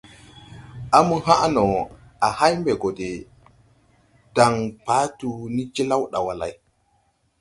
A mo haʼ no, à hay mbɛ gɔ de daŋ Patu ni jlaw ɗawa lay! ».